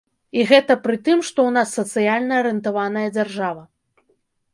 І гэта пры тым, што ў нас сацыяльна арыентаваная дзяржава.